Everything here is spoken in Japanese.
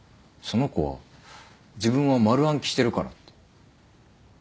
その子は自分は丸暗記してるからって。